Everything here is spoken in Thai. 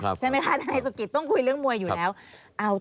ใช่ไหมคะทนายสุกิตต้องคุยเรื่องมวยอยู่แล้ว